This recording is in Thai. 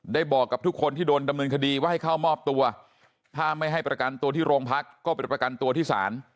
บอกกับทุกคนที่โดนดำเนินคดีว่าให้เข้ามอบตัวถ้าไม่ให้ประกันตัวที่โรงพักก็ไปประกันตัวที่ศาล